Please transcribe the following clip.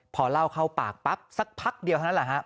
พอเหล้าเข้าปากปั๊บสักพักเดียวนั่นแหละครับ